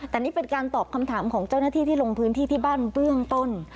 แต่นี่เป็นการตอบคำถามของเจ้าหน้าที่ที่ลงพื้นที่ที่บ้านเบื้องต้น